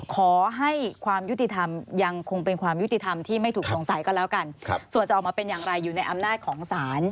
ขอให้ความยุติธรรมยังคงเป็นความยุติธรรมที่ไม่ถูกสงสัยก็แล้วกันส่วนจะออกมาเป็นอย่างไรอยู่ในอำนาจของศาล